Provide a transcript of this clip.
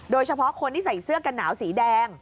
โดยเฉพาะคนที่ใส่เสื้อกันหนาวสีแดง